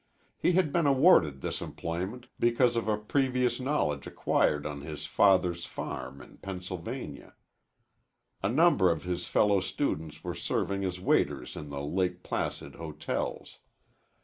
He had been awarded this employment because of a previous knowledge acquired on his father's farm in Pennsylvania. A number of his fellow students were serving as waiters in the Lake Placid hotels.